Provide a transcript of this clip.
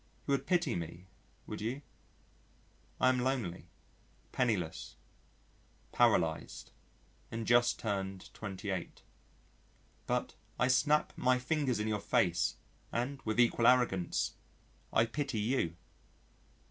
You would pity me would you? I am lonely, penniless, paralysed, and just turned twenty eight. But I snap my fingers in your face and with equal arrogance I pity you.